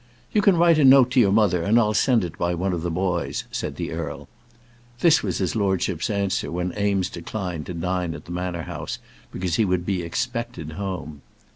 "You can write a note to your mother, and I'll send it by one of the boys," said the earl. This was his lordship's answer when Eames declined to dine at the Manor House, because he would be expected home.